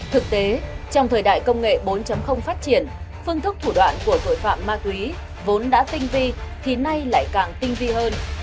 thực tế trong thời đại công nghệ bốn phát triển phương thức thủ đoạn của tội phạm ma túy vốn đã tinh vi thì nay lại càng tinh vi hơn